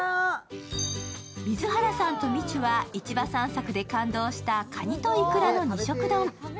水原さんとみちゅは市場散策で感動したかにとイクラの二色丼。